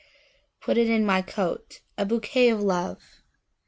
put it in my coat,A bouquet of Love!